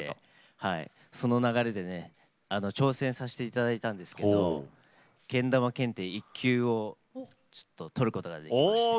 その流れでね挑戦させていただいたんですけどけん玉検定１級をちょっと取ることができました。